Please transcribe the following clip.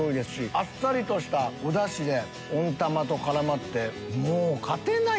あっさりとしたおダシで温玉と絡まって。